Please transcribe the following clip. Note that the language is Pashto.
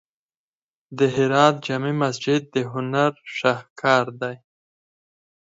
د هرات جامع مسجد د هنر شاهکار دی.